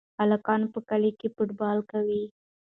هلکانو په کلي کې فوټبال کاوه.